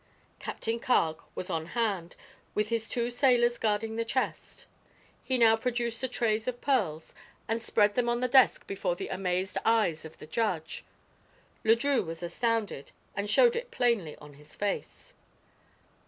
Captain Carg was on hand, with his two sailors guarding the chest. He now produced the trays of pearls and spread them on the desk before the amazed eyes of the judge. Le Drieux was astounded, and showed it plainly on his face.